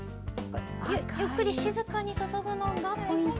ゆっくり静かに注ぐのがポイント？